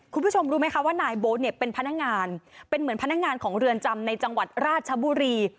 คุณผู้ชมรู้ไหมคะว่านายโบ๊ทเนี่ยเป็นพนักงานเป็นเหมือนพนักงานของเรือนจำในจังหวัดราชบุรี